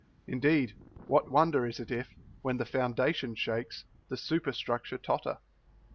Indeed what wonder is it if, when the foundation shakes, the superstructure totter?